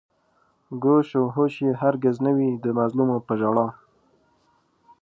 گوش و هوش يې هر گِز نه وي د مظلومو په ژړا